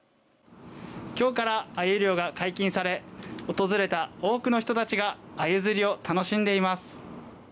きょうから、あゆ漁が解禁され訪れた多くの人たちがあゆ釣りを楽しんでいます。